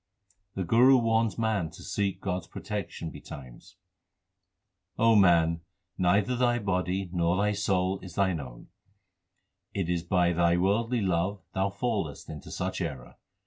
The Guru warns man to seek God s protection betimes : O man, neither thy body nor thy soul is thine own : It is by thy worldly love thou fallest into such error.